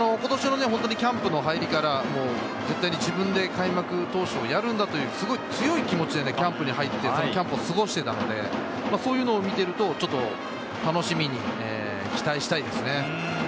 キャンプの入りから絶対に自分で開幕投手をやるんだという強い気持ちでキャンプに入って過ごしていたので、そういうのを見ていると楽しみに、期待したいですね。